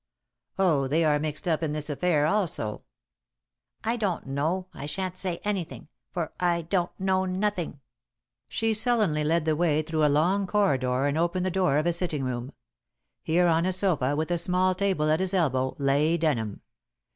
"Oh, they are mixed up in this affair also." "I don't know. I shan't say anything, for I don't know nothing." She sullenly led the way through a long corridor and opened the door of a sitting room. Here on a sofa with a small table at his elbow lay Denham.